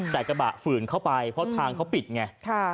แต่กระบะฝืนเข้าไปเพราะทางเขาปิดไง